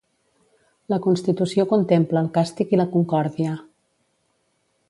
La constitució contempla el càstig i la concòrdia.